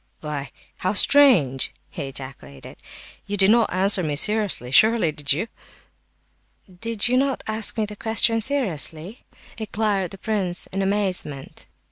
"Why, how strange!" he ejaculated. "You didn't answer me seriously, surely, did you?" "Did not you ask me the question seriously" inquired the prince, in amazement.